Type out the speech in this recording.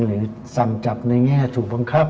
หรือสั่งจับในแง่ถูกบังคับ